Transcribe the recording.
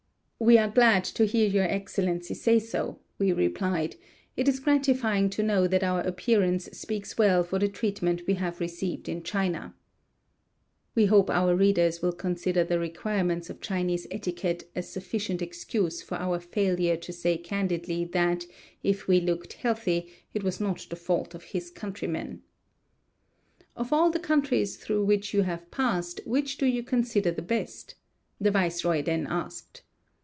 "We are glad to hear your excellency say so," we replied; "it is gratifying to know that our appearance speaks well for the treatment we have received in China." VI 203 We hope our readers will consider the requirements of Chinese etiquette as sufficient excuse for our failure to say candidly that, if we looked healthy, it was not the fault of his countrymen. "Of all the countries through which you have passed, which do you consider the best?" the viceroy then asked.